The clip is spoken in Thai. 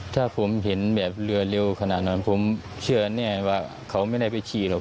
ถ้าผมเห็นแบบเรือเร็วขนาดนั้นผมเชื่อแน่ว่าเขาไม่ได้ไปขี่หรอก